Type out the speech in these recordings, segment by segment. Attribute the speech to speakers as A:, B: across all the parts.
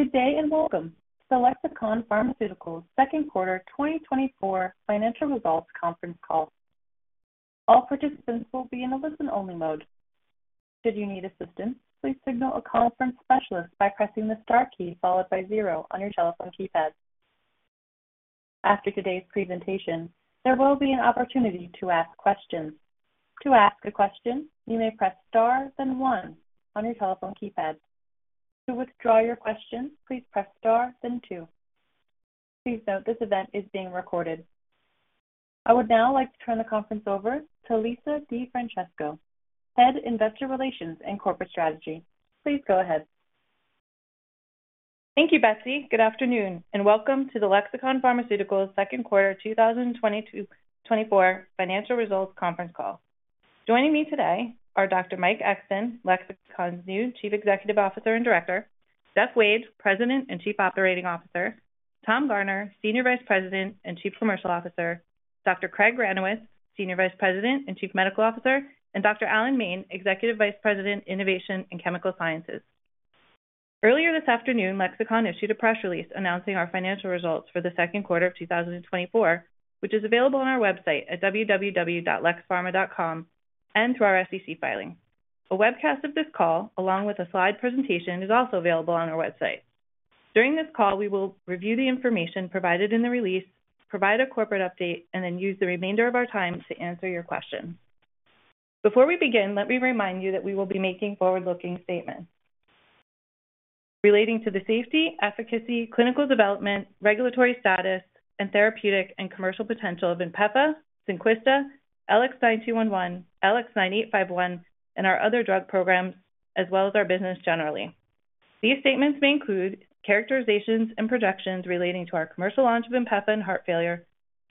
A: Good day, and welcome to Lexicon Pharmaceuticals' second quarter 2024 financial results conference call. All participants will be in a listen-only mode. Should you need assistance, please signal a conference specialist by pressing the star key followed by zero on your telephone keypad. After today's presentation, there will be an opportunity to ask questions. To ask a question, you may press star, then one on your telephone keypad. To withdraw your question, please press star, then two. Please note, this event is being recorded. I would now like to turn the conference over to Lisa DeFrancesco, Head of Investor Relations and Corporate Strategy. Please go ahead.
B: Thank you, Betsy. Good afternoon, and welcome to the Lexicon Pharmaceuticals second quarter 2024 financial results conference call. Joining me today are Dr. Mike Exton, Lexicon's new Chief Executive Officer and Director; Jeff Wade, President and Chief Operating Officer; Tom Garner, Senior Vice President and Chief Commercial Officer; Dr. Craig Granowitz, Senior Vice President and Chief Medical Officer; and Dr. Alan Main, Executive Vice President, Innovation and Chemical Sciences. Earlier this afternoon, Lexicon issued a press release announcing our financial results for the second quarter of 2024, which is available on our website at www.lexpharma.com and through our SEC filing. A webcast of this call, along with a slide presentation, is also available on our website. During this call, we will review the information provided in the release, provide a corporate update, and then use the remainder of our time to answer your questions. Before we begin, let me remind you that we will be making forward-looking statements relating to the safety, efficacy, clinical development, regulatory status, and therapeutic and commercial potential of INPEFA, ZYNQUISTA, LX9211, LX9851, and our other drug programs, as well as our business generally. These statements may include characterizations and projections relating to our commercial launch of INPEFA and heart failure,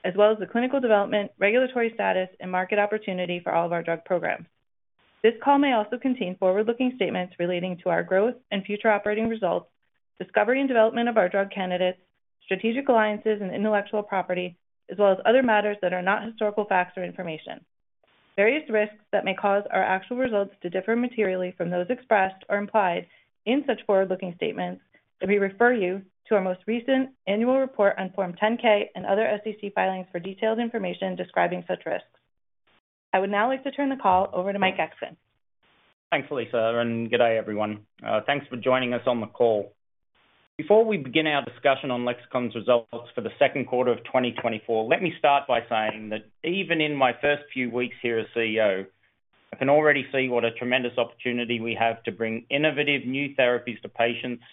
B: as well as the clinical development, regulatory status, and market opportunity for all of our drug programs. This call may also contain forward-looking statements relating to our growth and future operating results, discovery and development of our drug candidates, strategic alliances and intellectual property, as well as other matters that are not historical facts or information. Various risks that may cause our actual results to differ materially from those expressed or implied in such forward-looking statements. Let me refer you to our most recent annual report on Form 10-K and other SEC filings for detailed information describing such risks. I would now like to turn the call over to Mike Exton.
C: Thanks, Lisa, and good day, everyone. Thanks for joining us on the call. Before we begin our discussion on Lexicon's results for the second quarter of 2024, let me start by saying that even in my first few weeks here as CEO, I can already see what a tremendous opportunity we have to bring innovative new therapies to patients,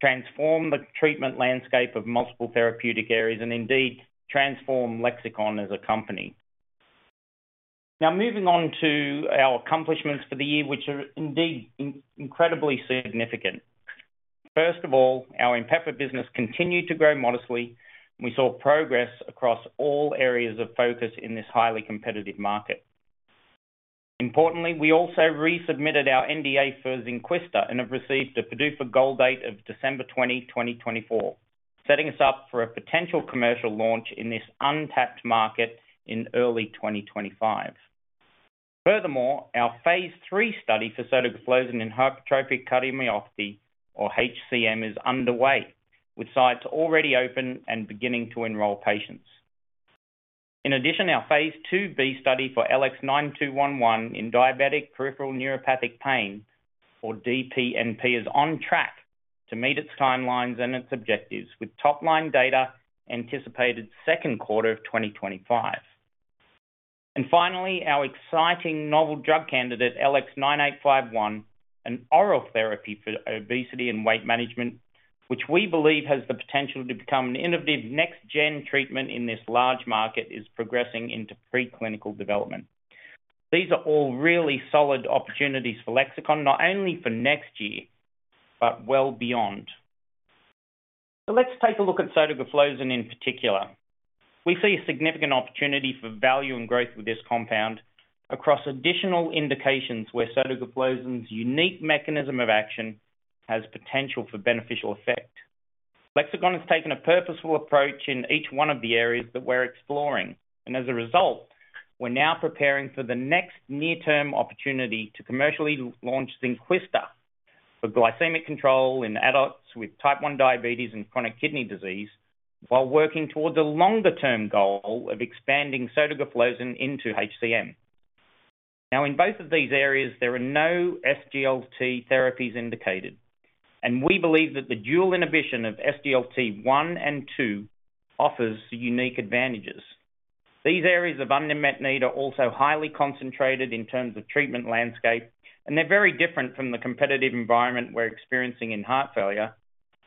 C: transform the treatment landscape of multiple therapeutic areas, and indeed transform Lexicon as a company. Now, moving on to our accomplishments for the year, which are indeed incredibly significant. First of all, our INPEFA business continued to grow modestly, and we saw progress across all areas of focus in this highly competitive market. Importantly, we also resubmitted our NDA for ZYNQUISTA and have received a PDUFA goal date of December 20, 2024, setting us up for a potential commercial launch in this untapped market in early 2025. Furthermore, our phase III study for sotagliflozin in hypertrophic cardiomyopathy or HCM, is underway, with sites already open and beginning to enroll patients. In addition, our phase IIB study for LX9211 in diabetic peripheral neuropathic pain or DPNP, is on track to meet its timelines and its objectives, with top-line data anticipated second quarter of 2025. And finally, our exciting novel drug candidate, LX9851, an oral therapy for obesity and weight management, which we believe has the potential to become an innovative next-gen treatment in this large market, is progressing into preclinical development. These are all really solid opportunities for Lexicon, not only for next year, but well beyond. So let's take a look at sotagliflozin in particular. We see a significant opportunity for value and growth with this compound across additional indications where sotagliflozin's unique mechanism of action has potential for beneficial effect. Lexicon has taken a purposeful approach in each one of the areas that we're exploring, and as a result, we're now preparing for the next near-term opportunity to commercially launch ZYNQUISTA for glycemic control in adults with type 1 diabetes and chronic kidney disease, while working towards a longer-term goal of expanding sotagliflozin into HCM. Now, in both of these areas, there are no SGLT therapies indicated, and we believe that the dual inhibition of SGLT1 and SGLT2 offers unique advantages. These areas of unmet need are also highly concentrated in terms of treatment landscape, and they're very different from the competitive environment we're experiencing in heart failure,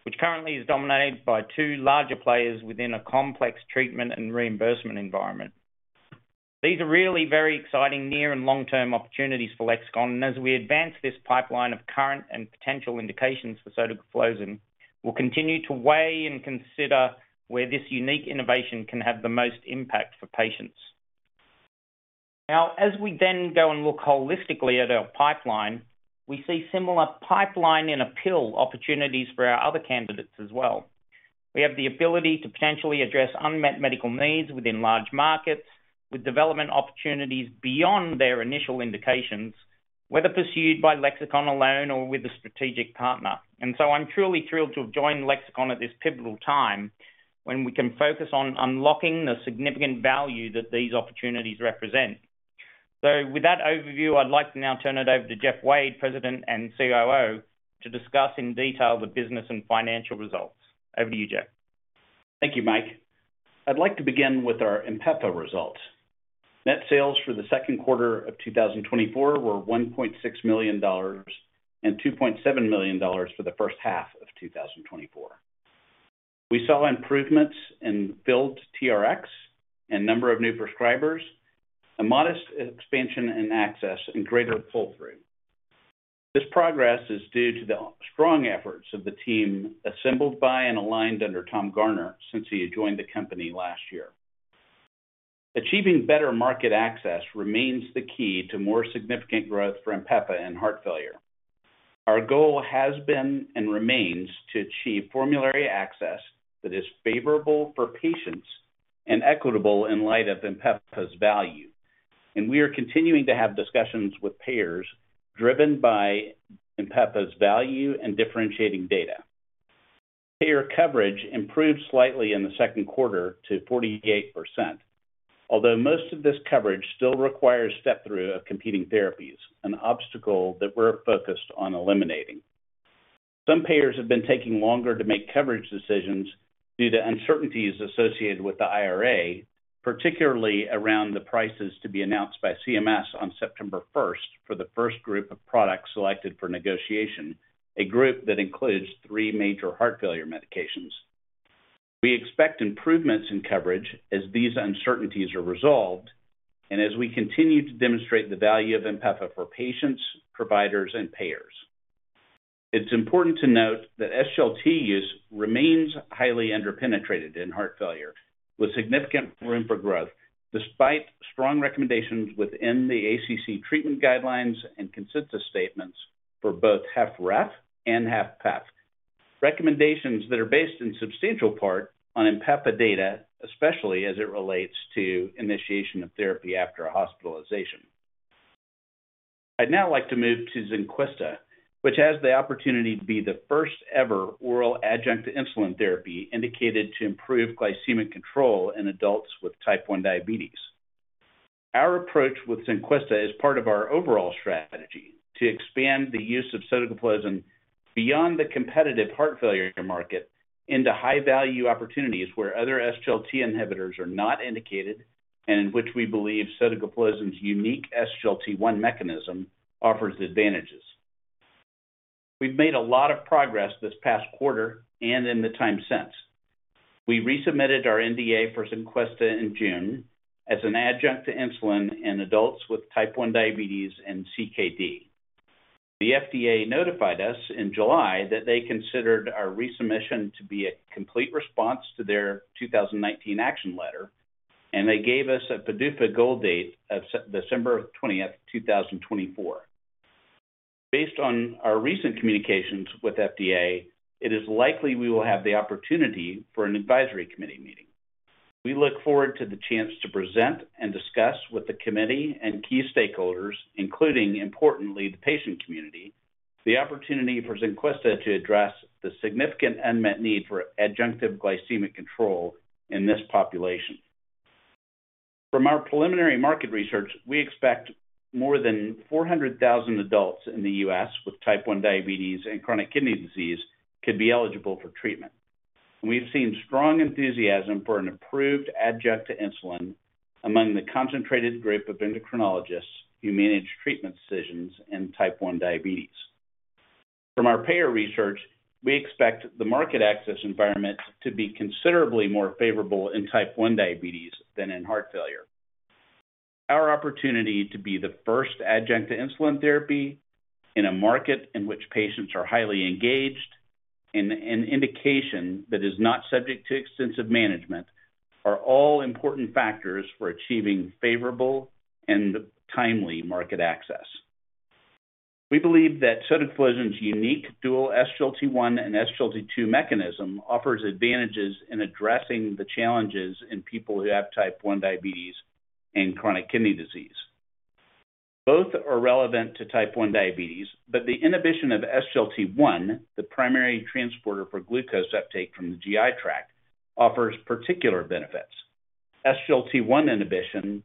C: which currently is dominated by two larger players within a complex treatment and reimbursement environment. These are really very exciting near and long-term opportunities for Lexicon, and as we advance this pipeline of current and potential indications for sotagliflozin, we'll continue to weigh and consider where this unique innovation can have the most impact for patients. Now, as we then go and look holistically at our pipeline, we see similar pipeline and appeal opportunities for our other candidates as well. We have the ability to potentially address unmet medical needs within large markets, with development opportunities beyond their initial indications, whether pursued by Lexicon alone or with a strategic partner. I'm truly thrilled to have joined Lexicon at this pivotal time, when we can focus on unlocking the significant value that these opportunities represent. With that overview, I'd like to now turn it over to Jeff Wade, President and COO, to discuss in detail the business and financial results. Over to you, Jeff.
D: Thank you, Mike. I'd like to begin with our INPEFA results. Net sales for the second quarter of 2024 were $1.6 million, and $2.7 million for the first half of 2024. We saw improvements in billed TRx and number of new prescribers, a modest expansion in access, and greater pull-through. This progress is due to the strong efforts of the team assembled by and aligned under Tom Garner since he joined the company last year. Achieving better market access remains the key to more significant growth for INPEFA and heart failure. Our goal has been and remains to achieve formulary access that is favorable for patients and equitable in light of INPEFA's value, and we are continuing to have discussions with payers driven by INPEFA's value and differentiating data. Payer coverage improved slightly in the second quarter to 48%, although most of this coverage still requires step-through of competing therapies, an obstacle that we're focused on eliminating. Some payers have been taking longer to make coverage decisions due to uncertainties associated with the IRA, particularly around the prices to be announced by CMS on September first for the first group of products selected for negotiation, a group that includes three major heart failure medications. We expect improvements in coverage as these uncertainties are resolved and as we continue to demonstrate the value of INPEFA for patients, providers, and payers. It's important to note that SGLT use remains highly underpenetrated in heart failure, with significant room for growth, despite strong recommendations within the ACC treatment guidelines and consensus statements for both HFrEF and HFpEF. Recommendations that are based in substantial part on INPEFA data, especially as it relates to initiation of therapy after a hospitalization. I'd now like to move to ZYNQUISTA, which has the opportunity to be the first-ever oral adjunct to insulin therapy indicated to improve glycemic control in adults with type 1 diabetes. Our approach with ZYNQUISTA is part of our overall strategy to expand the use of sotagliflozin beyond the competitive heart failure market into high-value opportunities where other SGLT inhibitors are not indicated, and in which we believe sotagliflozin's unique SGLT1 mechanism offers advantages. We've made a lot of progress this past quarter and in the time since. We resubmitted our NDA for ZYNQUISTA in June as an adjunct to insulin in adults with type 1 diabetes and CKD. The FDA notified us in July that they considered our resubmission to be a complete response to their 2019 action letter, and they gave us a PDUFA goal date of December 20th, 2024. Based on our recent communications with FDA, it is likely we will have the opportunity for an advisory committee meeting. We look forward to the chance to present and discuss with the committee and key stakeholders, including, importantly, the patient community, the opportunity for ZYNQUISTA to address the significant unmet need for adjunctive glycemic control in this population. From our preliminary market research, we expect more than 400,000 adults in the U.S. with type 1 diabetes and chronic kidney disease could be eligible for treatment. We've seen strong enthusiasm for an approved adjunct to insulin among the concentrated group of endocrinologists who manage treatment decisions in type 1 diabetes. From our payer research, we expect the market access environment to be considerably more favorable in type 1 diabetes than in heart failure. Our opportunity to be the first adjunct to insulin therapy in a market in which patients are highly engaged, and an indication that is not subject to extensive management, are all important factors for achieving favorable and timely market access. We believe that sotagliflozin's unique dual SGLT1 and SGLT2 mechanism offers advantages in addressing the challenges in people who have type 1 diabetes and chronic kidney disease. Both are relevant to type 1 diabetes, but the inhibition of SGLT1, the primary transporter for glucose uptake from the GI tract, offers particular benefits. SGLT1 inhibition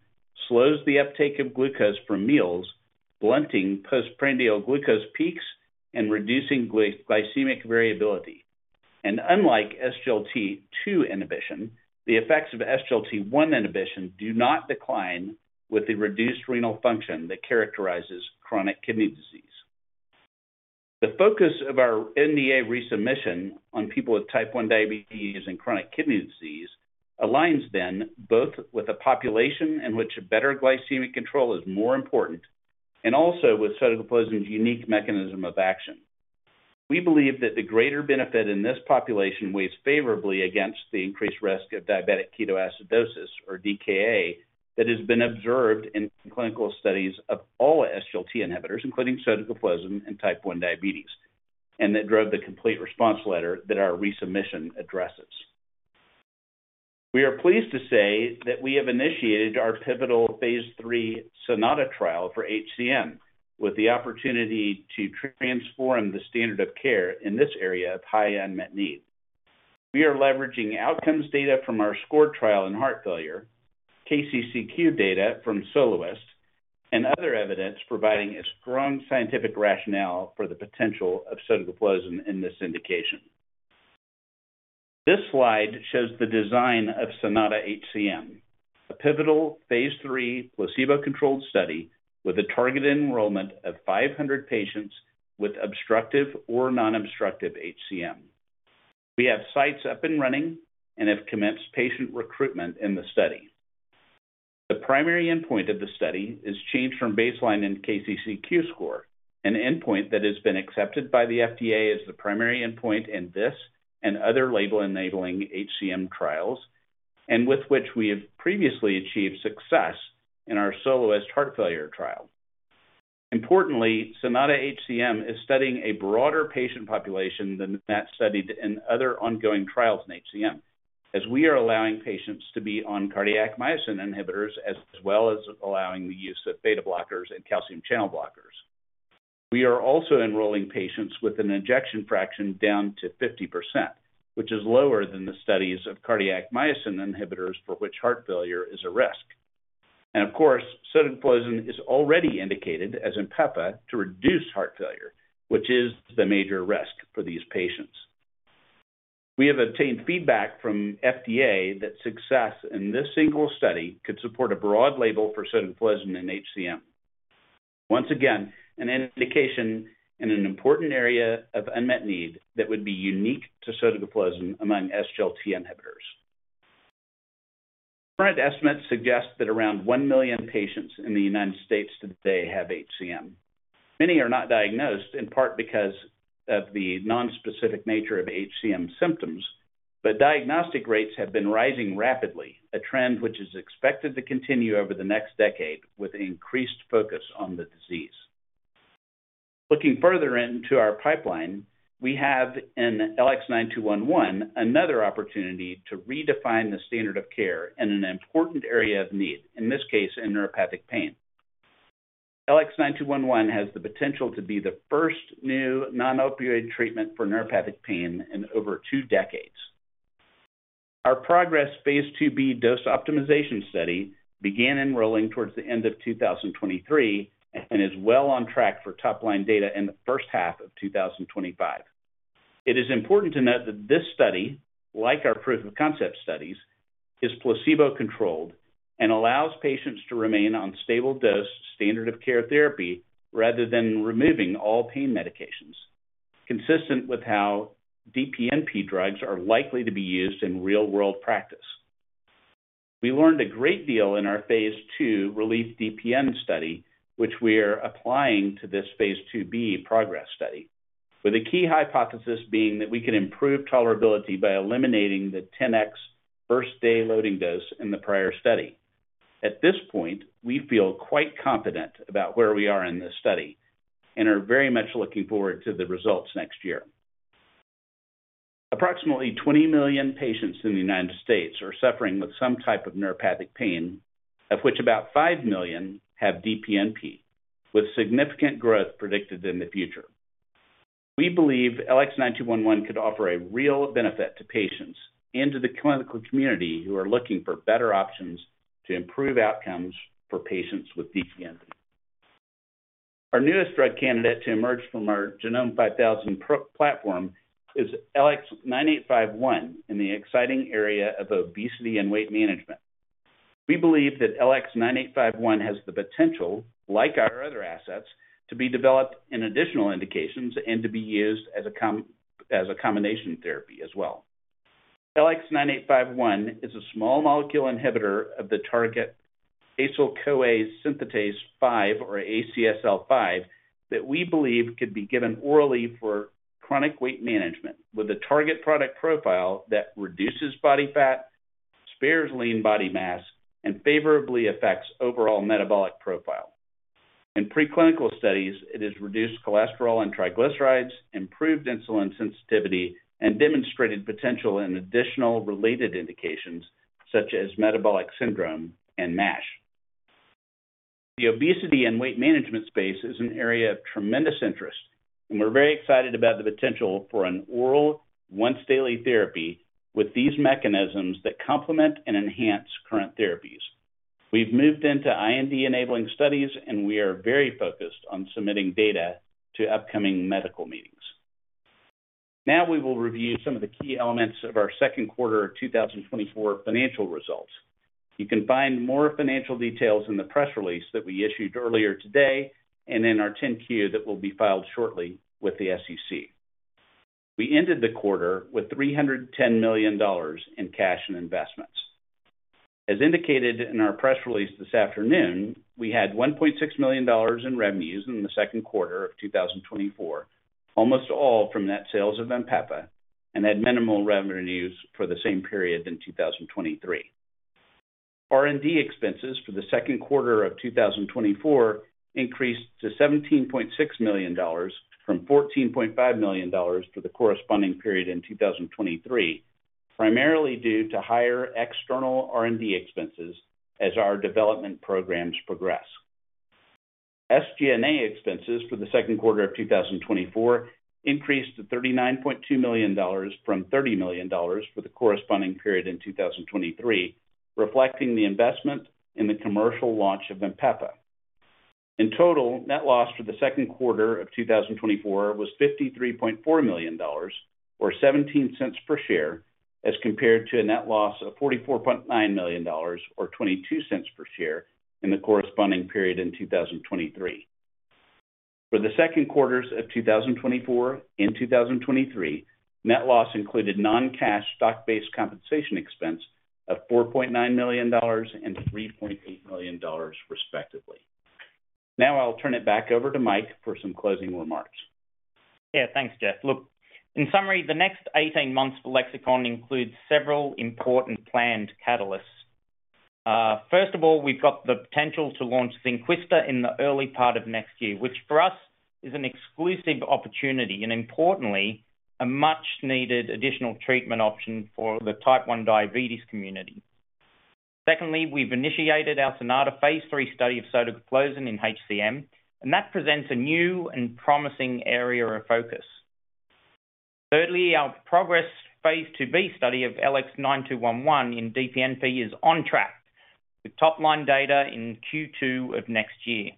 D: slows the uptake of glucose from meals, blunting postprandial glucose peaks and reducing glycemic variability. Unlike SGLT2 inhibition, the effects of SGLT1 inhibition do not decline with the reduced renal function that characterizes chronic kidney disease. The focus of our NDA resubmission on people with type 1 diabetes and chronic kidney disease aligns then both with a population in which a better glycemic control is more important, and also with sotagliflozin's unique mechanism of action. We believe that the greater benefit in this population weighs favorably against the increased risk of diabetic ketoacidosis, or DKA, that has been observed in clinical studies of all SGLT inhibitors, including sotagliflozin and type 1 diabetes, and that drove the complete response letter that our resubmission addresses. We are pleased to say that we have initiated our pivotal phase III SONATA trial for HCM, with the opportunity to transform the standard of care in this area of high unmet need. We are leveraging outcomes data from our SCORED trial in heart failure, KCCQ data from SOLOIST, and other evidence providing a strong scientific rationale for the potential of sotagliflozin in this indication. This slide shows the design of SONATA-HCM, a pivotal phase III placebo-controlled study with a targeted enrollment of 500 patients with obstructive or non-obstructive HCM. We have sites up and running and have commenced patient recruitment in the study. The primary endpoint of the study is change from baseline in KCCQ score, an endpoint that has been accepted by the FDA as the primary endpoint in this and other label-enabling HCM trials, and with which we have previously achieved success in our SOLOIST heart failure trial. Importantly, SONATA-HCM is studying a broader patient population than that studied in other ongoing trials in HCM, as we are allowing patients to be on cardiac myosin inhibitors, as well as allowing the use of beta blockers and calcium channel blockers. We are also enrolling patients with an ejection fraction down to 50%, which is lower than the studies of cardiac myosin inhibitors for which heart failure is a risk. Of course, sotagliflozin is already indicated as INPEFA to reduce heart failure, which is the major risk for these patients. We have obtained feedback from FDA that success in this single study could support a broad label for sotagliflozin in HCM. Once again, an indication in an important area of unmet need that would be unique to sotagliflozin among SGLT inhibitors. Current estimates suggest that around 1 million patients in the United States today have HCM. Many are not diagnosed, in part because of the nonspecific nature of HCM symptoms, but diagnostic rates have been rising rapidly, a trend which is expected to continue over the next decade with an increased focus on the disease. Looking further into our pipeline, we have in LX9211, another opportunity to redefine the standard of care in an important area of need, in this case, in neuropathic pain. LX9211 has the potential to be the first new non-opioid treatment for neuropathic pain in over two decades. Our PROGRESS phase IIB dose optimization study began enrolling towards the end of 2023, and is well on track for top-line data in the first half of 2025. It is important to note that this study, like our proof of concept studies, is placebo-controlled and allows patients to remain on stable dose standard of care therapy rather than removing all pain medications, consistent with how DPNP drugs are likely to be used in real-world practice. We learned a great deal in our phase II RELIEF-DPN study, which we are applying to this phase IIB PROGRESS study, with a key hypothesis being that we can improve tolerability by eliminating the 10x first-day loading dose in the prior study. At this point, we feel quite confident about where we are in this study and are very much looking forward to the results next year. Approximately 20 million patients in the United States are suffering with some type of neuropathic pain, of which about 5 million have DPNP, with significant growth predicted in the future. We believe LX9211 could offer a real benefit to patients and to the clinical community who are looking for better options to improve outcomes for patients with DPNP. Our newest drug candidate to emerge from our Genome5000 platform is LX9851 in the exciting area of obesity and weight management. We believe that LX9851 has the potential, like our other assets, to be developed in additional indications and to be used as a combination therapy as well. LX9851 is a small molecule inhibitor of the target acyl-CoA synthetase 5, or ACSL5, that we believe could be given orally for chronic weight management, with a target product profile that reduces body fat, spares lean body mass, and favorably affects overall metabolic profile. In preclinical studies, it has reduced cholesterol and triglycerides, improved insulin sensitivity, and demonstrated potential in additional related indications such as metabolic syndrome and MASH. The obesity and weight management space is an area of tremendous interest, and we're very excited about the potential for an oral once-daily therapy with these mechanisms that complement and enhance current therapies. We've moved into IND-enabling studies, and we are very focused on submitting data to upcoming medical meetings. Now we will review some of the key elements of our second quarter of 2024 financial results. You can find more financial details in the press release that we issued earlier today and in our 10-Q that will be filed shortly with the SEC. We ended the quarter with $310 million in cash and investments. As indicated in our press release this afternoon, we had $1.6 million in revenues in the second quarter of 2024, almost all from net sales of INPEFA and had minimal revenues for the same period in 2023. R&D expenses for the second quarter of 2024 increased to $17.6 million from $14.5 million for the corresponding period in 2023, primarily due to higher external R&D expenses as our development programs PROGRESS. SG&A expenses for the second quarter of 2024 increased to $39.2 million from $30 million for the corresponding period in 2023, reflecting the investment in the commercial launch of INPEFA. In total, net loss for the second quarter of 2024 was $53.4 million, or $0.17 per share, as compared to a net loss of $44.9 million, or $0.22 per share, in the corresponding period in 2023. For the second quarters of 2024 and 2023, net loss included non-cash stock-based compensation expense of $4.9 million and $3.8 million, respectively. Now I'll turn it back over to Mike for some closing remarks.
C: Yeah, thanks, Jeff. Look, in summary, the next 18 months for Lexicon includes several important planned catalysts. First of all, we've got the potential to launch ZYNQUISTA in the early part of next year, which for us is an exclusive opportunity and importantly, a much needed additional treatment option for the type 1 diabetes community. Secondly, we've initiated our SONATA phase III study of sotagliflozin in HCM, and that presents a new and promising area of focus. Thirdly, our phase IIb study of LX9211 in DPNP is on track, with top line data in Q2 of next year.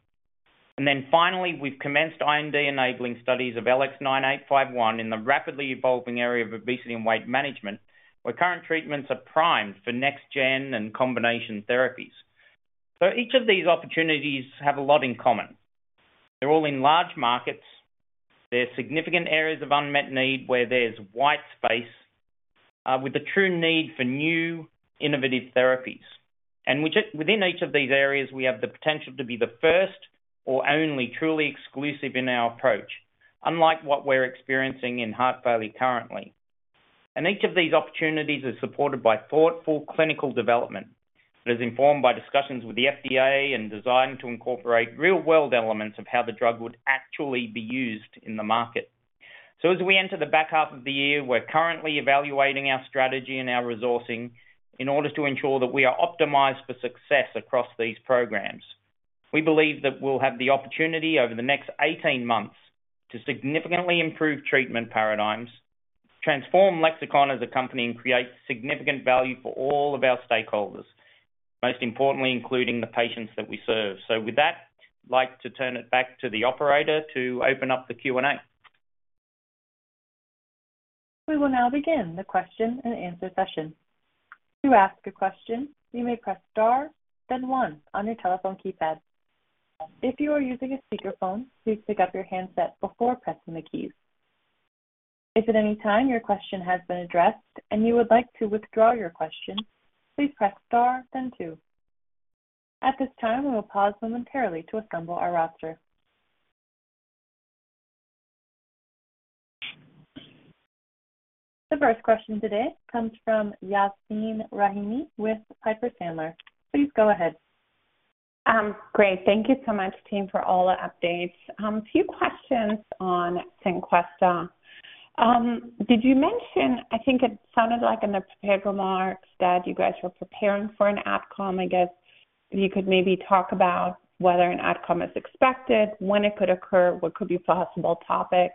C: And then finally, we've commenced IND enabling studies of LX9851 in the rapidly evolving area of obesity and weight management, where current treatments are primed for next-gen and combination therapies. So each of these opportunities have a lot in common. They're all in large markets. There are significant areas of unmet need, where there's wide space with the true need for new innovative therapies. And which within each of these areas, we have the potential to be the first or only truly exclusive in our approach, unlike what we're experiencing in heart failure currently. And each of these opportunities is supported by thoughtful clinical development, that is informed by discussions with the FDA and designed to incorporate real-world elements of how the drug would actually be used in the market. So as we enter the back half of the year, we're currently evaluating our strategy and our resourcing in order to ensure that we are optimized for success across these programs. We believe that we'll have the opportunity over the next 18 months to significantly improve treatment paradigms, transform Lexicon as a company, and create significant value for all of our stakeholders, most importantly, including the patients that we serve. So with that, I'd like to turn it back to the operator to open up the Q&A.
A: We will now begin the question and answer session. To ask a question, you may press star then one on your telephone keypad. If you are using a speakerphone, please pick up your handset before pressing the keys. If at any time your question has been addressed and you would like to withdraw your question, please press star then two. At this time, we will pause momentarily to assemble our roster. The first question today comes from Yasmeen Rahimi with Piper Sandler. Please go ahead.
E: Great. Thank you so much, team, for all the updates. A few questions on ZYNQUISTA. Did you mention. I think it sounded like in the prepared remarks that you guys were preparing for an AdCom. I guess if you could maybe talk about whether an AdCom is expected, when it could occur, what could be possible topics?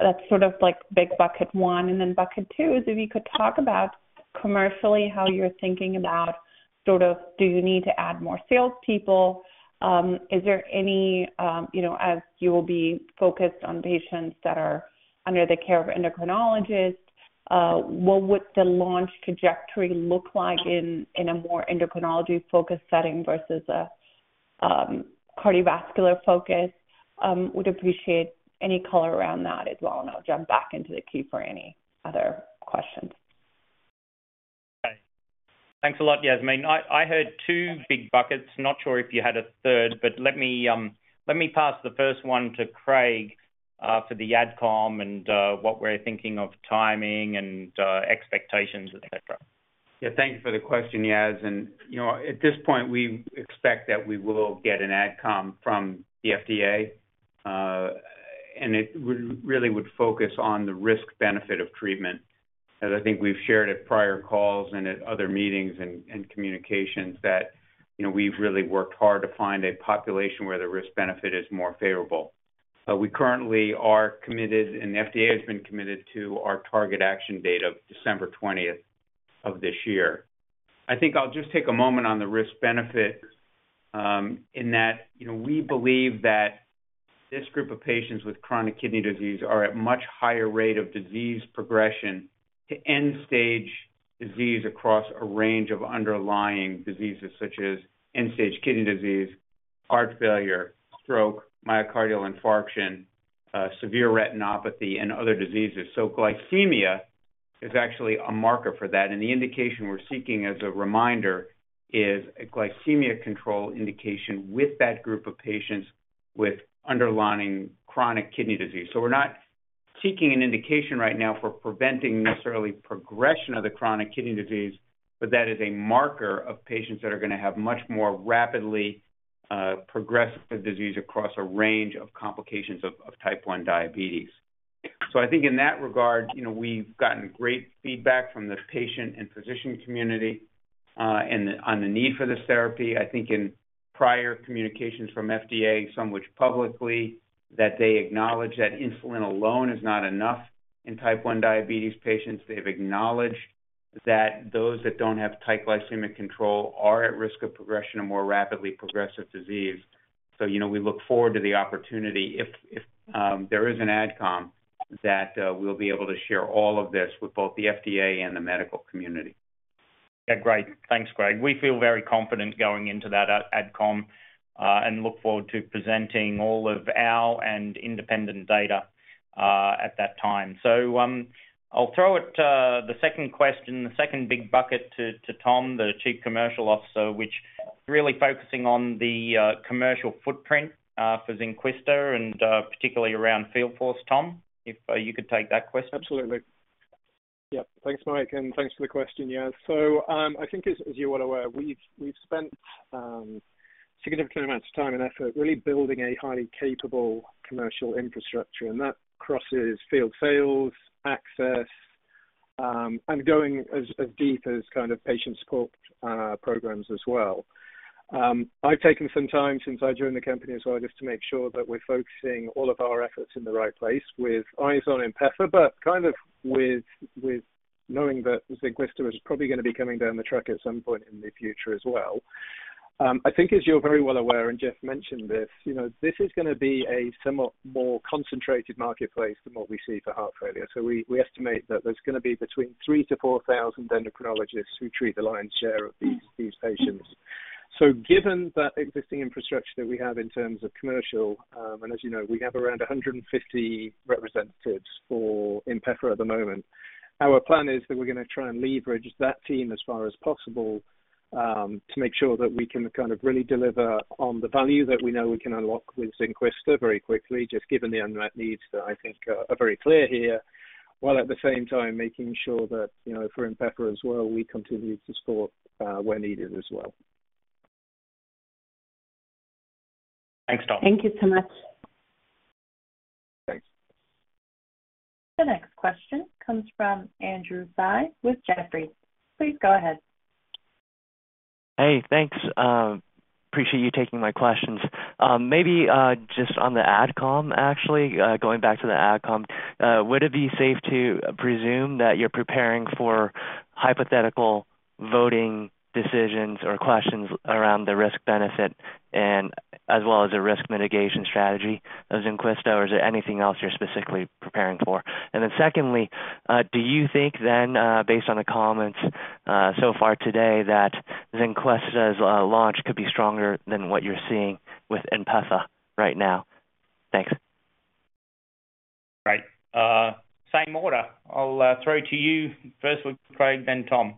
E: That's sort of like big bucket one, and then bucket two is if you could talk about commercially, how you're thinking about, sort of, do you need to add more salespeople? Is there any, you know, as you will be focused on patients that are under the care of endocrinologists, what would the launch trajectory look like in a more endocrinology focused setting versus a cardiovascular focus? Would appreciate any color around that as well, and I'll jump back into the queue for any other questions.
C: Okay. Thanks a lot, Yasmeen. I heard two big buckets. Not sure if you had a third, but let me, let me pass the first one to Craig for the AdCom and what we're thinking of timing and expectations, et cetera.
F: Yeah, thank you for the question, Yas. And, you know, at this point, we expect that we will get an AdCom from the FDA, and it really would focus on the risk-benefit of treatment. As I think we've shared at prior calls and at other meetings and communications, you know, we've really worked hard to find a population where the risk-benefit is more favorable. We currently are committed, and the FDA has been committed to our target action date of December 20th of this year. I think I'll just take a moment on the risk-benefit, in that, you know, we believe that this group of patients with chronic kidney disease are at much higher rate of disease progression to end-stage disease across a range of underlying diseases such as end-stage kidney disease, heart failure, stroke, myocardial infarction, severe retinopathy, and other diseases. So glycemia is actually a marker for that, and the indication we're seeking, as a reminder, is a glycemic control indication with that group of patients with underlying chronic kidney disease. So we're not seeking an indication right now for preventing necessarily progression of the chronic kidney disease, but that is a marker of patients that are gonna have much more rapidly progressive disease across a range of complications of type 1 diabetes. So I think in that regard, you know, we've gotten great feedback from the patient and physician community, and on the need for this therapy. I think in prior communications from FDA, some which publicly, that they acknowledge that insulin alone is not enough in type 1 diabetes patients. They've acknowledged that those that don't have tight glycemic control are at risk of progression of more rapidly progressive disease. You know, we look forward to the opportunity if there is an AdCom that we'll be able to share all of this with both the FDA and the medical community.
C: Yeah, great. Thanks, Craig. We feel very confident going into that at AdCom, and look forward to presenting all of our and independent data at that time. So, I'll throw it, the second question, the second big bucket to, to Tom, the Chief Commercial Officer, which really focusing on the commercial footprint for ZYNQUISTA and particularly around field force. Tom, if you could take that question?
G: Absolutely. Yep. Thanks, Mike, and thanks for the question, yeah. So, I think as you're well aware, we've spent significant amounts of time and effort really building a highly capable commercial infrastructure, and that crosses field sales, access, and going as deep as kind of patient scope programs as well. I've taken some time since I joined the company as well, just to make sure that we're focusing all of our efforts in the right place with eyes on INPEFA, but kind of with knowing that ZYNQUISTA is probably gonna be coming down the track at some point in the future as well. I think as you're very well aware, and Jeff mentioned this, you know, this is gonna be a somewhat more concentrated marketplace than what we see for heart failure. So we estimate that there's gonna be between 3,000 to 4,000 endocrinologists who treat the lion's share of these patients. So given that existing infrastructure that we have in terms of commercial, and as you know, we have around 150 representatives for INPEFA at the moment. Our plan is that we're gonna try and leverage that team as far as possible, to make sure that we can kind of really deliver on the value that we know we can unlock with ZYNQUISTA very quickly, just given the unmet needs that I think are very clear here. While at the same time, making sure that, you know, for INPEFA as well, we continue to support where needed as well.
C: Thanks, Tom.
E: Thank you so much.
G: Thanks.
A: The next question comes from Andrew Tsai with Jefferies. Please go ahead.
H: Hey, thanks. Appreciate you taking my questions. Maybe, just on the AdCom, actually, going back to the AdCom, would it be safe to presume that you're preparing for hypothetical voting decisions or questions around the risk-benefit and as well as a risk mitigation strategy of ZYNQUISTA, or is there anything else you're specifically preparing for? And then secondly, do you think then, based on the comments, so far today, that ZYNQUISTA's launch could be stronger than what you're seeing with INPEFA right now? Thanks.
C: Great. Same order. I'll throw to you first with Craig, then Tom.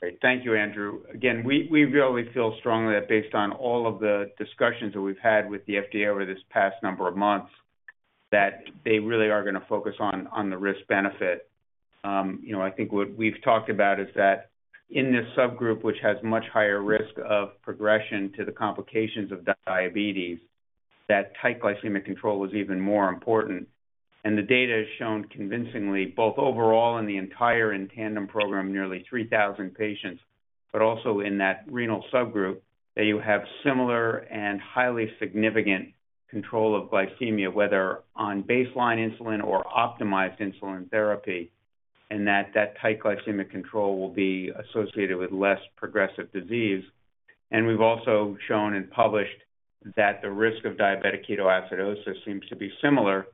F: Great. Thank you, Andrew. Again, we really feel strongly that based on all of the discussions that we've had with the FDA over this past number of months, that they really are gonna focus on the risk benefit. You know, I think what we've talked about is that in this subgroup, which has much higher risk of progression to the complications of diabetes, that tight glycemic control is even more important. And the data has shown convincingly, both overall in the entire inTandem program, nearly 3,000 patients, but also in that renal subgroup, that you have similar and highly significant control of glycemia, whether on baseline insulin or optimized insulin therapy, and that that tight glycemic control will be associated with less progressive disease. We've also shown and published that the risk of diabetic ketoacidosis seems to be similar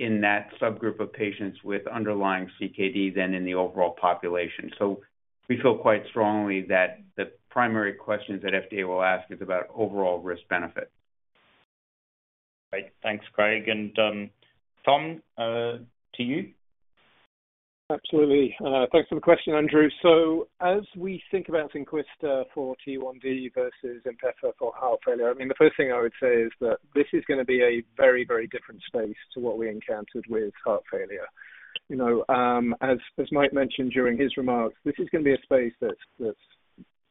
F: in that subgroup of patients with underlying CKD than in the overall population. We feel quite strongly that the primary questions that FDA will ask is about overall risk-benefit.
C: Great. Thanks, Craig. And, Tom, to you.
G: Absolutely. Thanks for the question, Andrew. So as we think about ZYNQUISTA for T1D versus INPEFA for heart failure, I mean, the first thing I would say is that this is gonna be a very, very different space to what we encountered with heart failure. You know, as, as Mike mentioned during his remarks, this is gonna be a space that's, that's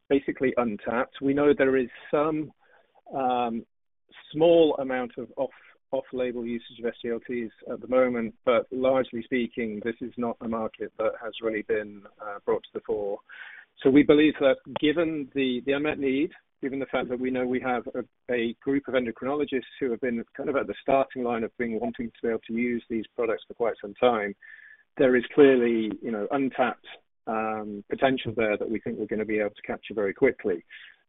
G: basically untapped. We know there is some small amount of off, off-label usage of SGLTs at the moment, but largely speaking, this is not a market that has really been brought to the fore. So we believe that given the unmet need, given the fact that we know we have a group of endocrinologists who have been kind of at the starting line of being wanting to be able to use these products for quite some time, there is clearly, you know, untapped potential there that we think we're gonna be able to capture very quickly.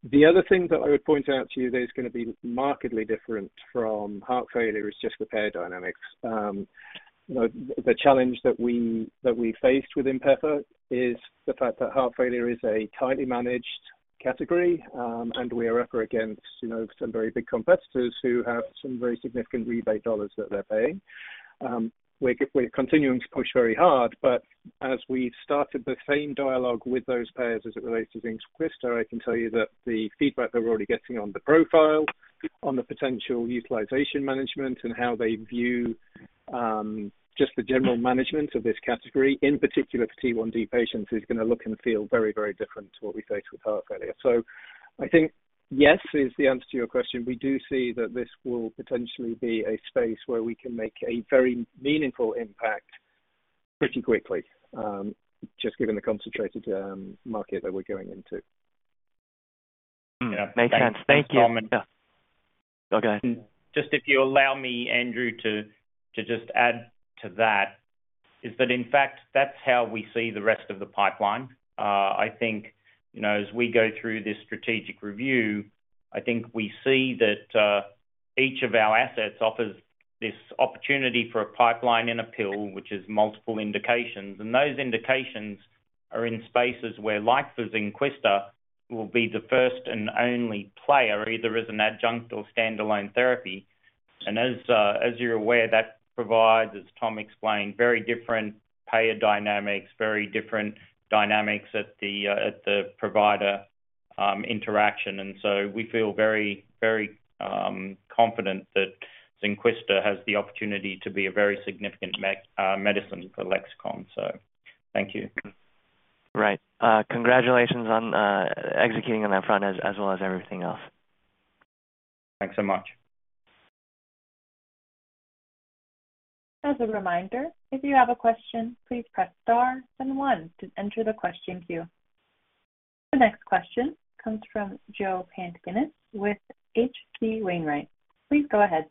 G: The other thing that I would point out to you that is gonna be markedly different from heart failure is just the payer dynamics. The challenge that we faced with INPEFA is the fact that heart failure is a tightly managed category, and we are up against, you know, some very big competitors who have some very significant rebate dollars that they're paying. We're continuing to push very hard, but as we've started the same dialogue with those payers as it relates to ZYNQUISTA, I can tell you that the feedback that we're already getting on the profile, on the potential utilization management, and how they view just the general management of this category, in particular for T1D patients, is gonna look and feel very, very different to what we face with heart failure. So I think, yes, is the answer to your question. We do see that this will potentially be a space where we can make a very meaningful impact pretty quickly, just given the concentrated market that we're going into.
H: Yeah. Makes sense. Thank you.
C: Thanks, Tom, and-
H: Yeah. Okay.
C: Just if you'll allow me, Andrew, to just add to that, in fact, that's how we see the rest of the pipeline. I think, you know, as we go through this strategic review, I think we see that each of our assets offers this opportunity for a pipeline in a pill, which is multiple indications. And those indications are in spaces where, like ZYNQUISTA, we will be the first and only player, either as an adjunct or standalone therapy. And as you're aware, that provides, as Tom explained, very different payer dynamics, very different dynamics at the provider interaction. And so we feel very, very confident that ZYNQUISTA has the opportunity to be a very significant medicine for Lexicon. So thank you.
H: Right. Congratulations on executing on that front as well as everything else.
C: Thanks so much.
A: As a reminder, if you have a question, please press star then one to enter the question queue. The next question comes from Joe Pantginis with H.C. Wainwright. Please go ahead.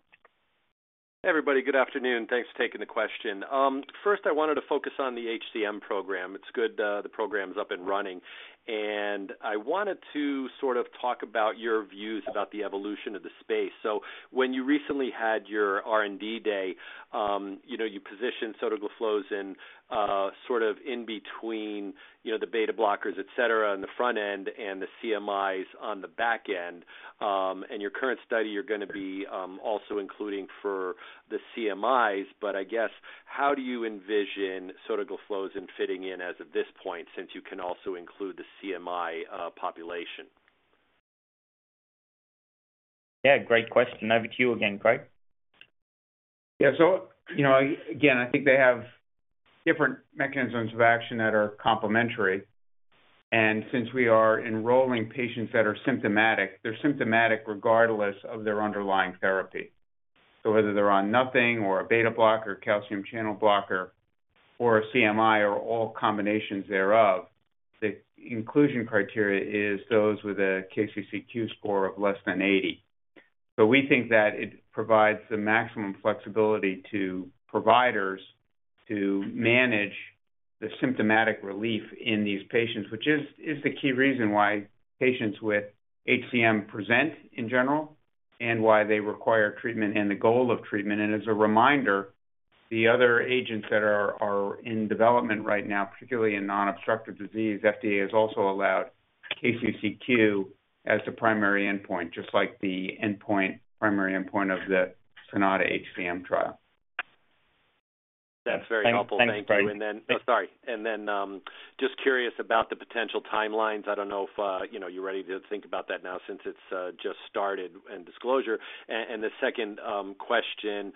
I: Hey, everybody. Good afternoon. Thanks for taking the question. First, I wanted to focus on the HCM program. It's good, the program's up and running, and I wanted to sort of talk about your views about the evolution of the space. So when you recently had your R&D day, you know, you positioned sotagliflozin, sort of in between, you know, the beta blockers, et cetera, on the front end and the CMIs on the back end. And your current study, you're gonna be also including for the CMIs, but I guess, how do you envision sotagliflozin fitting in as of this point, since you can also include the CMI, population?
C: Yeah, great question. Over to you again, Craig.
F: Yeah. So, you know, again, I think they have different mechanisms of action that are complementary, and since we are enrolling patients that are symptomatic, they're symptomatic regardless of their underlying therapy. So whether they're on nothing or a beta blocker, calcium channel blocker or CMI, or all combinations thereof, the inclusion criteria is those with a KCCQ score of less than 80. So we think that it provides the maximum flexibility to providers to manage the symptomatic relief in these patients, which is the key reason why patients with HCM present in general, and why they require treatment and the goal of treatment. And as a reminder, the other agents that are in development right now, particularly in non-obstructive disease, FDA has also allowed KCCQ as the primary endpoint, just like the endpoint, primary endpoint of the SONATA-HCM trial.
I: That's very helpful.
C: Thanks, Craig.
I: Thank you. And then, just curious about the potential timelines. I don't know if, you know, you're ready to think about that now since it's just started and disclosure. And the second, question,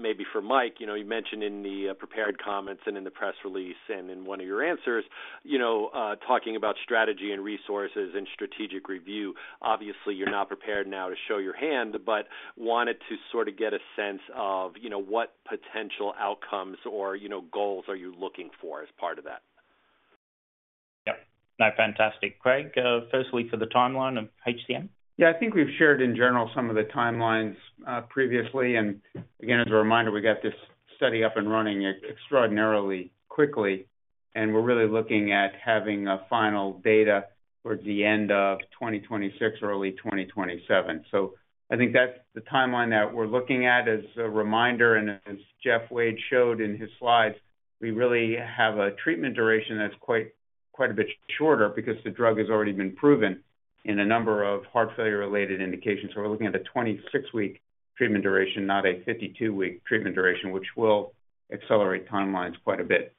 I: maybe for Mike. You know, you mentioned in the prepared comments and in the press release and in one of your answers, you know, talking about strategy and resources and strategic review. Obviously, you're not prepared now to show your hand, but wanted to sort of get a sense of, you know, what potential outcomes or, you know, goals are you looking for as part of that?
C: Yeah. No, fantastic. Craig, firstly, for the timeline of HCM.
F: Yeah, I think we've shared in general some of the timelines, previously. And again, as a reminder, we got this study up and running extraordinarily quickly, and we're really looking at having a final data towards the end of 2026 or early 2027. So I think that's the timeline that we're looking at. As a reminder, and as Jeff Wade showed in his slides, we really have a treatment duration that's quite, quite a bit shorter because the drug has already been proven in a number of heart failure-related indications. So we're looking at a 26-week treatment duration, not a 52-week treatment duration, which will accelerate timelines quite a bit.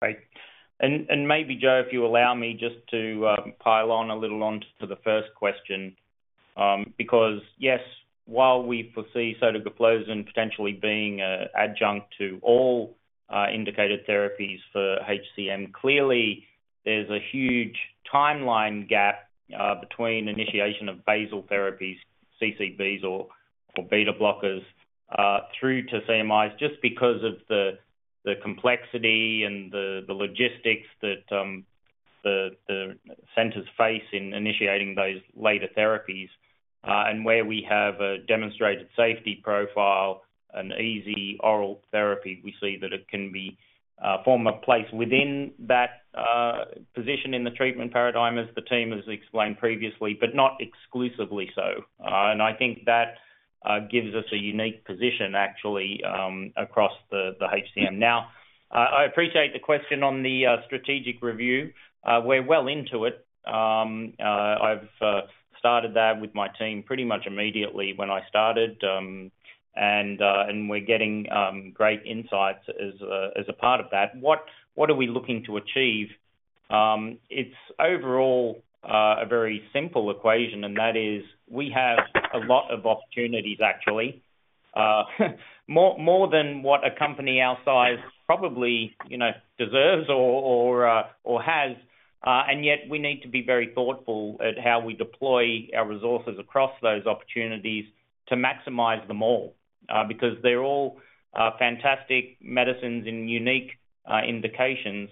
C: Great. And, and maybe, Joe, if you allow me just to, pile on a little on to the first question, because, yes, while we foresee sotagliflozin potentially being a adjunct to all, indicated therapies for HCM, clearly there's a huge timeline gap, between initiation of basal therapies, CCBs or beta blockers, through to CMIs, just because of the complexity and the logistics that, the centers face in initiating those later therapies. And where we have a demonstrated safety profile and easy oral therapy, we see that it can be, form a place within that, position in the treatment paradigm, as the team has explained previously, but not exclusively so. And I think that gives us a unique position, actually, across the HCM. Now, I appreciate the question on the, strategic review. We're well into it. I've started that with my team pretty much immediately when I started, and, and we're getting great insights as a, as a part of that. What, what are we looking to achieve? It's overall a very simple equation, and that is, we have a lot of opportunities, actually. More, more than what a company our size probably, you know, deserves or, or, or has. And yet, we need to be very thoughtful at how we deploy our resources across those opportunities to maximize them all, because they're all fantastic medicines and unique indications.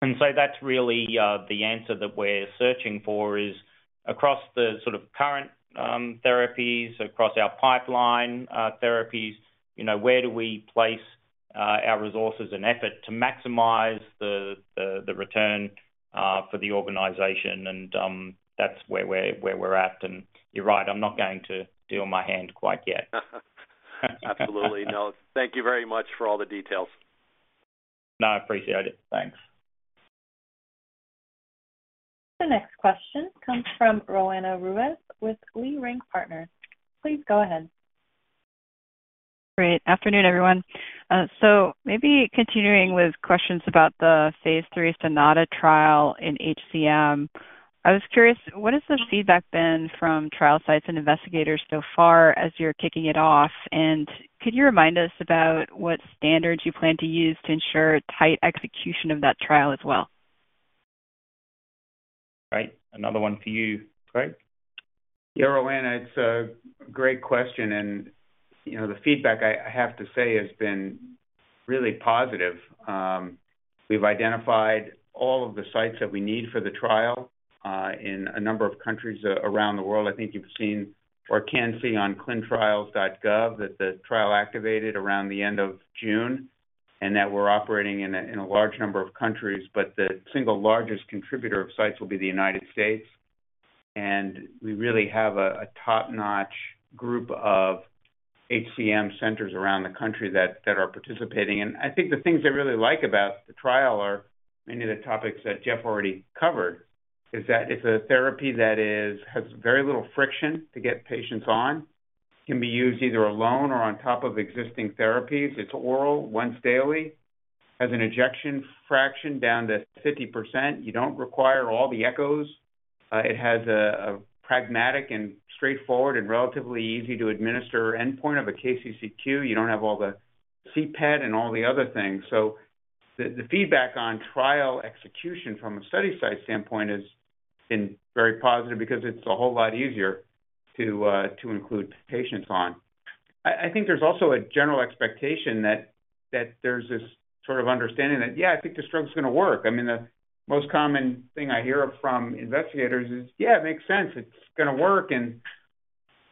C: And so that's really the answer that we're searching for, is across the sort of current therapies, across our pipeline therapies, you know, where do we place our resources and effort to maximize the return for the organization? And that's where we're at. And you're right, I'm not going to deal my hand quite yet.
I: Absolutely. No. Thank you very much for all the details.
C: No, I appreciate it. Thanks.
A: The next question comes from Roanna Ruiz with Leerink Partners. Please go ahead.
J: Great. Afternoon, everyone. So maybe continuing with questions about the phase III SONATA trial in HCM. I was curious, what has the feedback been from trial sites and investigators so far as you're kicking it off? And could you remind us about what standards you plan to use to ensure tight execution of that trial as well?
C: Right. Another one for you, Craig.
F: Yeah, Roanna, it's a great question, and, you know, the feedback, I, I have to say, has been really positive. We've identified all of the sites that we need for the trial, in a number of countries around the world. I think you've seen, or can see on clinicaltrials.gov, that the trial activated around the end of June, and that we're operating in a, in a large number of countries. But the single largest contributor of sites will be the United States, and we really have a, a top-notch group of HCM centers around the country that are participating. And I think the things I really like about the trial are many of the topics that Jeff already covered, is that it's a therapy that is has very little friction to get patients on, can be used either alone or on top of existing therapies. It's oral, once daily, has an ejection fraction down to 50%. You don't require all the echos. It has a pragmatic and straightforward, and relatively easy-to-administer endpoint of a KCCQ. You don't have all the CPET and all the other things. So the feedback on trial execution from a study site standpoint has been very positive because it's a whole lot easier to include patients on. I think there's also a general expectation that there's this sort of understanding that, yeah, I think the stroke's gonna work. I mean, the most common thing I hear from investigators is, "Yeah, it makes sense. It's gonna work."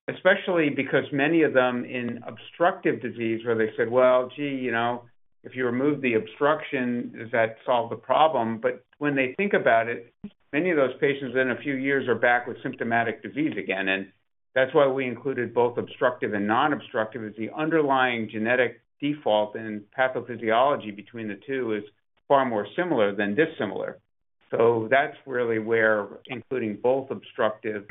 F: Especially because many of them in obstructive disease, where they said, "Well, gee, you know, if you remove the obstruction, does that solve the problem?" But when they think about it, many of those patients, in a few years, are back with symptomatic disease again, and that's why we included both obstructive and non-obstructive, is the underlying genetic default and pathophysiology between the two is far more similar than dissimilar. So that's really where including both obstructive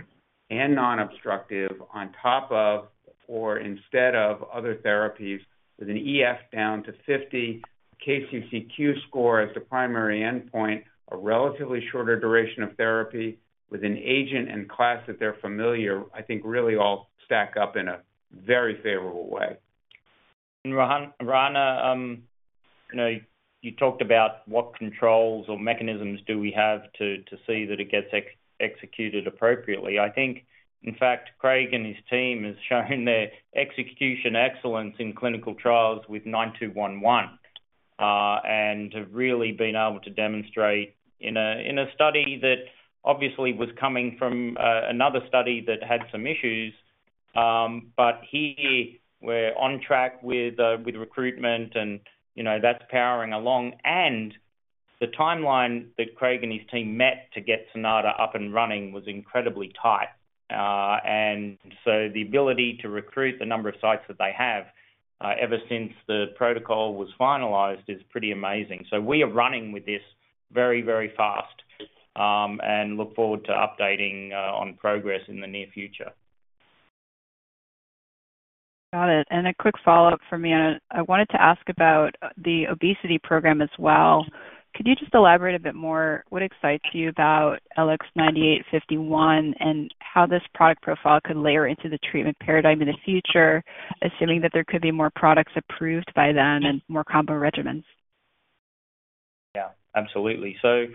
F: and non-obstructive on top of, or instead of other therapies, with an EF down to 50, KCCQ score as the primary endpoint, a relatively shorter duration of therapy with an agent and class that they're familiar, I think really all stack up in a very favorable way.
C: And Roanna, Roanna, you know, you talked about what controls or mechanisms do we have to, to see that it gets executed appropriately. I think, in fact, Craig and his team has shown their execution excellence in clinical trials with 9211. And have really been able to demonstrate in a, in a study that obviously was coming from, another study that had some issues. But here, we're on track with, with recruitment and, you know, that's powering along. And the timeline that Craig and his team met to get SONATA up and running was incredibly tight. And so the ability to recruit the number of sites that they have, ever since the protocol was finalized, is pretty amazing. So we are running with this very, very fast, and look forward to updating, on PROGRESS in the near future.
J: Got it. And a quick follow-up for me. I wanted to ask about the obesity program as well. Could you just elaborate a bit more what excites you about LX9851, and how this product profile could layer into the treatment paradigm in the future, assuming that there could be more products approved by then and more combo regimens?
C: Yeah, absolutely. So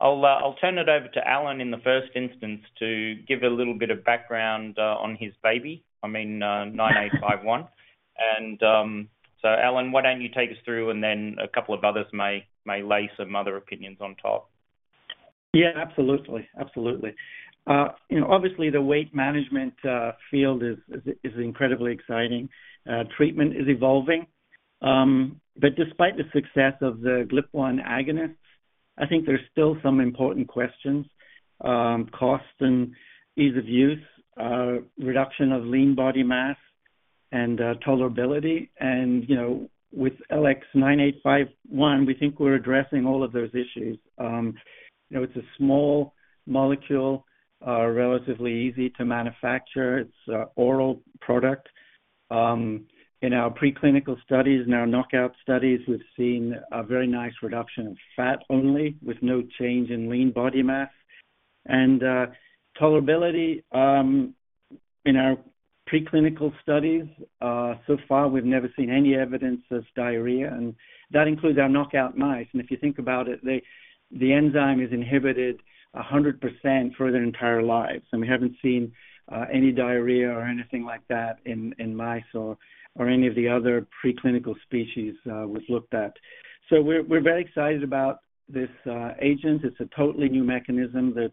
C: I'll turn it over to Alan in the first instance, to give a little bit of background on his baby. I mean, LX9851. So, Alan, why don't you take us through, and then a couple of others may lay some other opinions on top.
K: Yeah, absolutely. Absolutely. You know, obviously, the weight management field is incredibly exciting. Treatment is evolving. But despite the success of the GLP-1 agonist, I think there's still some important questions. Cost and ease of use, reduction of lean body mass and, tolerability. And, you know, with LX9851, we think we're addressing all of those issues. You know, it's a small molecule, relatively easy to manufacture. It's an oral product. In our preclinical studies, in our knockout studies, we've seen a very nice reduction in fat only, with no change in lean body mass. And, tolerability, in our preclinical studies, so far, we've never seen any evidence of diarrhea, and that includes our knockout mice. And if you think about it, they, the enzyme is inhibited 100% for their entire lives, and we haven't seen any diarrhea or anything like that in mice or any of the other preclinical species we've looked at. So we're very excited about this agent. It's a totally new mechanism that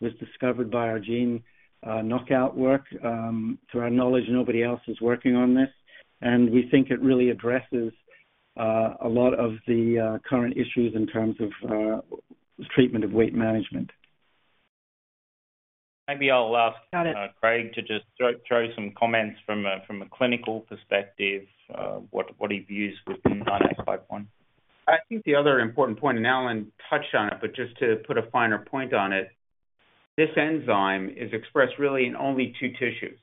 K: was discovered by our gene knockout work. To our knowledge, nobody else is working on this, and we think it really addresses a lot of the current issues in terms of treatment of weight management.
C: Maybe I'll ask-
J: Got it.
C: Craig to just throw some comments from a clinical perspective, what he views with LX9851.
F: I think the other important point, and Alan touched on it, but just to put a finer point on it, this enzyme is expressed really in only two tissues.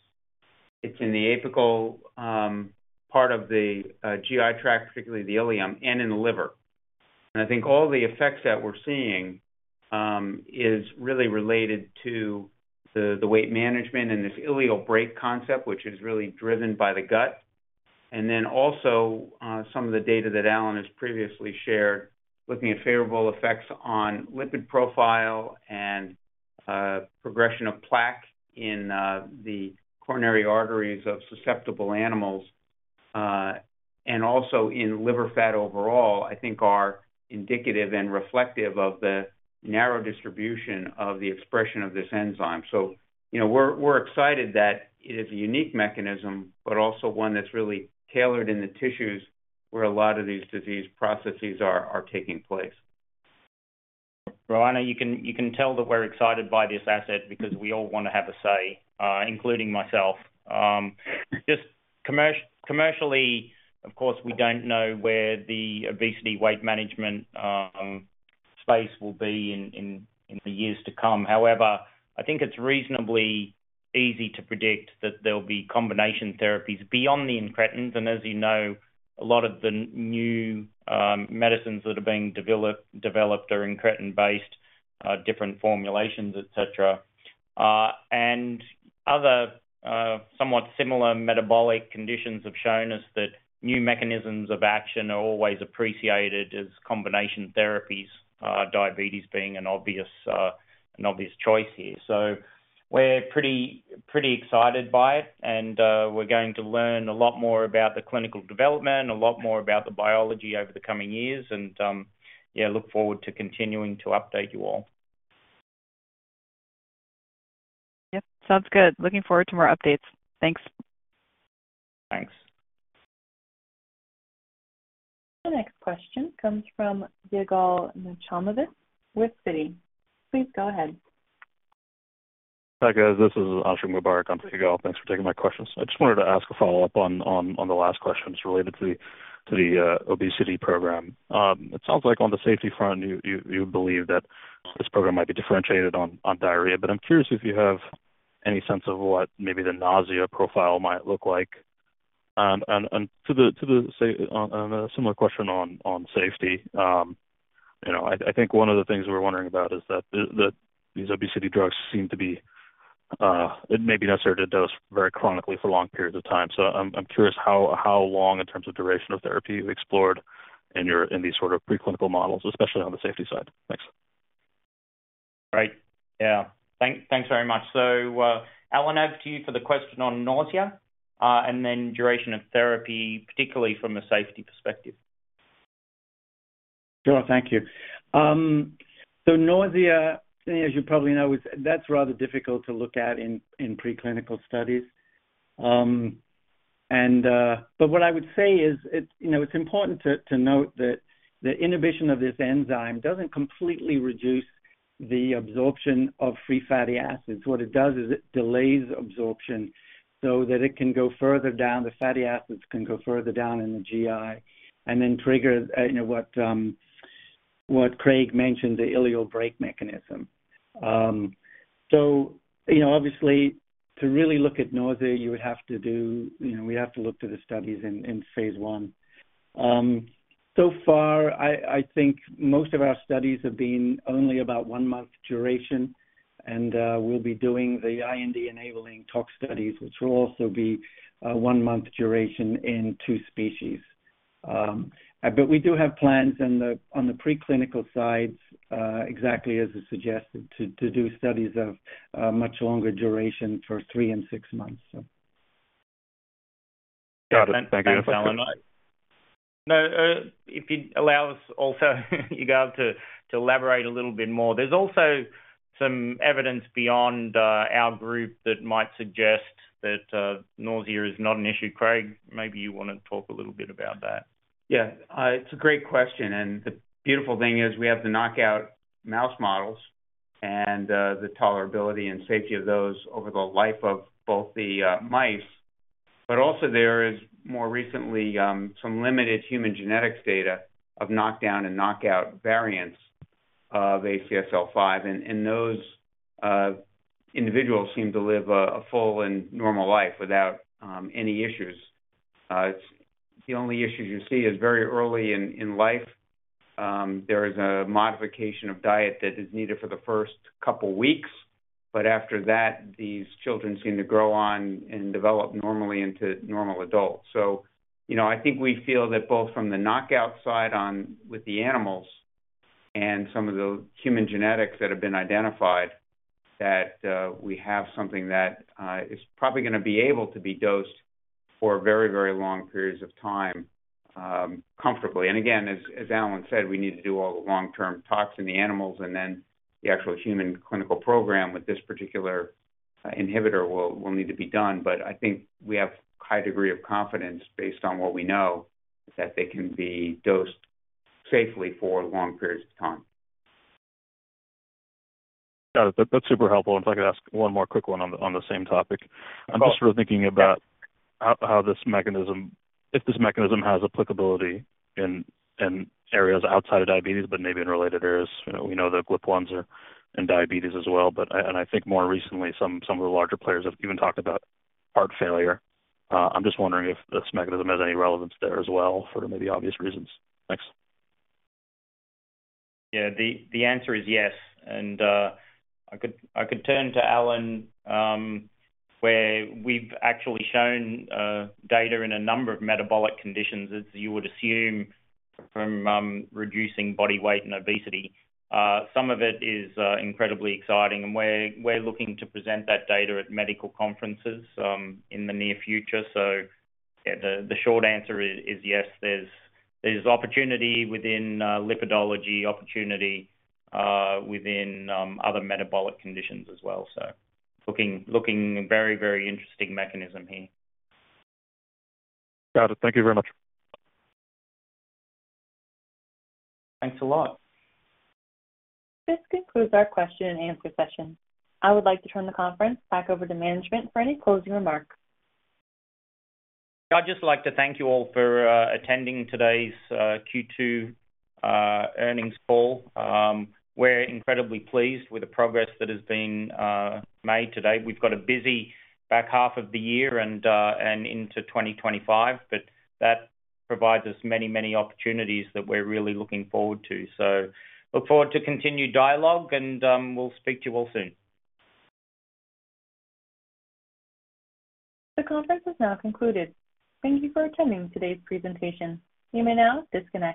F: It's in the apical, part of the GI tract, particularly the ileum and in the liver. And I think all the effects that we're seeing, is really related to the weight management and this ileal brake concept, which is really driven by the gut. And then also, some of the data that Alan has previously shared, looking at favorable effects on lipid profile and, progression of plaque in, the coronary arteries of susceptible animals, and also in liver fat overall, I think are indicative and reflective of the narrow distribution of the expression of this enzyme. So, you know, we're excited that it is a unique mechanism, but also one that's really tailored in the tissues where a lot of these disease processes are taking place.
C: Roanna, you can tell that we're excited by this asset because we all want to have a say, including myself. Just commercially, of course, we don't know where the obesity weight management space will be in the years to come. However, I think it's reasonably easy to predict that there'll be combination therapies beyond the incretins. And as you know, a lot of the new medicines that are being developed are incretin-based, different formulations, et cetera. And other somewhat similar metabolic conditions have shown us that new mechanisms of action are always appreciated as combination therapies, diabetes being an obvious choice here. So we're pretty, pretty excited by it, and we're going to learn a lot more about the clinical development, a lot more about the biology over the coming years, and yeah, look forward to continuing to update you all.
J: Yep. Sounds good. Looking forward to more updates. Thanks.
C: Thanks.
A: The next question comes from Yigal Nochomovitz with Citi. Please go ahead.
L: Hi, guys. This is Ashiq Mubarack on for Yigal. Thanks for taking my questions. I just wanted to ask a follow-up on the last questions related to the obesity program. It sounds like on the safety front, you believe that this program might be differentiated on diarrhea, but I'm curious if you have any sense of what maybe the nausea profile might look like. And on a similar question on safety, you know, I think one of the things we're wondering about is that the these obesity drugs seem to be it may be necessary to dose very chronically for long periods of time. So I'm curious how long in terms of duration of therapy you've explored in these sort of preclinical models, especially on the safety side. Thanks.
C: Great. Yeah. Thanks, thanks very much. So, Alan, over to you for the question on nausea, and then duration of therapy, particularly from a safety perspective.
K: Sure. Thank you. So nausea, as you probably know, is. That's rather difficult to look at in preclinical studies. But what I would say is, you know, it's important to note that the inhibition of this enzyme doesn't completely reduce the absorption of free fatty acids. What it does is it delays absorption so that it can go further down, the fatty acids can go further down in the GI and then trigger, you know, what Craig mentioned, the ileal brake mechanism. So, you know, obviously to really look at nausea, you would have to do, you know, we'd have to look to the studies in phase I. So far, I think most of our studies have been only about one-month duration, and we'll be doing the IND-enabling tox studies, which will also be a one-month duration in two species. But we do have plans on the preclinical side, exactly as it's suggested, to do studies of a much longer duration for three and six months, so.
L: Got it. Thank you.
C: Thanks, Alan. If you'd allow us also, Yigal, to elaborate a little bit more. There's also some evidence beyond our group that might suggest that nausea is not an issue. Craig, maybe you want to talk a little bit about that?
F: Yeah, it's a great question, and the beautiful thing is we have the knockout mouse models and the tolerability and safety of those over the life of both the mice. But also there is more recently some limited human genetics data of knockdown and knockout variants of ACSL5, and those individuals seem to live a full and normal life without any issues. It's the only issues you see is very early in life there is a modification of diet that is needed for the first couple weeks, but after that, these children seem to grow on and develop normally into normal adults. So, you know, I think we feel that both from the knockout side on with the animals and some of the human genetics that have been identified, that we have something that is probably gonna be able to be dosed for very, very long periods of time, comfortably. And again, as Alan said, we need to do all the long-term toxicology in the animals, and then the actual human clinical program with this particular inhibitor will need to be done. But I think we have a high degree of confidence based on what we know, that they can be dosed safely for long periods of time.
L: Got it. That's super helpful. And if I could ask one more quick one on the same topic. I'm just really thinking about how this mechanism—if this mechanism has applicability in areas outside of diabetes, but maybe in related areas. You know, we know the GLP-1s are in diabetes as well, but I—And I think more recently, some of the larger players have even talked about heart failure. I'm just wondering if this mechanism has any relevance there as well, for maybe obvious reasons. Thanks.
C: Yeah, the answer is yes, and I could turn to Alan, where we've actually shown data in a number of metabolic conditions, as you would assume, from reducing body weight and obesity. Some of it is incredibly exciting, and we're looking to present that data at medical conferences in the near future. So yeah, the short answer is yes, there's opportunity within lipidology, opportunity within other metabolic conditions as well. So looking very interesting mechanism here.
L: Got it. Thank you very much.
C: Thanks a lot.
A: This concludes our question and answer session. I would like to turn the conference back over to management for any closing remarks.
C: I'd just like to thank you all for attending today's Q2 earnings call. We're incredibly pleased with the PROGRESS that has been made to date. We've got a busy back half of the year and into 2025, but that provides us many, many opportunities that we're really looking forward to. So look forward to continued dialogue and we'll speak to you all soon.
A: The conference is now concluded. Thank you for attending today's presentation. You may now disconnect.